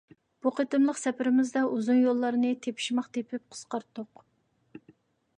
بۇ قېتىملىق سەپىرىمىزدە ئۇزۇن يوللارنى تېپىشماق تېپىپ قىسقارتتۇق.